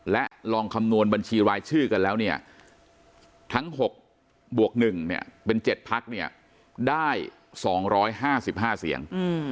และลองคำนวณบัญชีรายชื่อกันแล้วเนี่ยทั้ง๖บวก๑เป็น๗พักเนี่ยได้๒๕๕เสียง